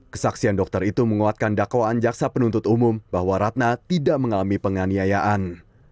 kesaksian dokter itu menguatkan dakwaan jaksa penuntut umum bahwa ratna tidak mengalami penganiayaan